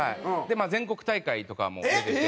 全国大会とかも出てて。